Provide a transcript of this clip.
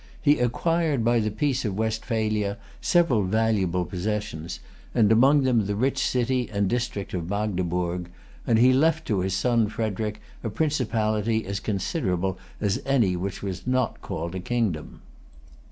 He acquired by the peace of Westphalia several valuable possessions, and among them the rich city and district of Magdeburg; and he left to his son Frederic a principality as considerable as any which was not called a kingdom.